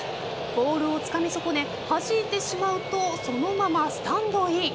ボールをつかみ損ねはじいてしまうとそのままスタンドイン。